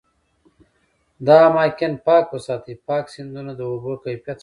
دا اماکن پاک وساتي، پاک سیندونه د اوبو کیفیت ښه کوي.